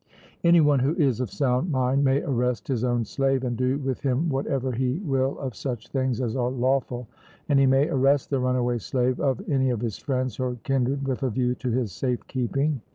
Any one who is of sound mind may arrest his own slave, and do with him whatever he will of such things as are lawful; and he may arrest the runaway slave of any of his friends or kindred with a view to his safe keeping.